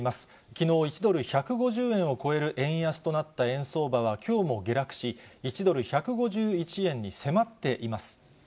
きのう、１ドル１５０円を超える円安となった円相場はきょうも下落し、１ドル１５１円に迫っています。